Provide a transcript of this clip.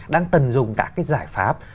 đang tần dùng các cái giải pháp